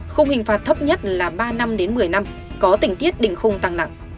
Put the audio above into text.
không hình phạt thấp nhất là ba năm đến một mươi năm có tính tiết đỉnh không tăng nặng